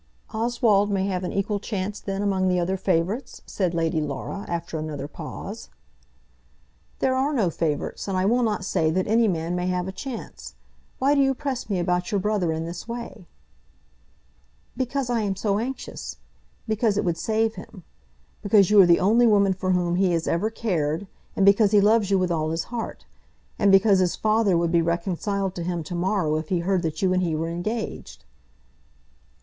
"Oswald may have an equal chance then among the other favourites?" said Lady Laura, after another pause. "There are no favourites, and I will not say that any man may have a chance. Why do you press me about your brother in this way?" "Because I am so anxious. Because it would save him. Because you are the only woman for whom he has ever cared, and because he loves you with all his heart; and because his father would be reconciled to him to morrow if he heard that you and he were engaged."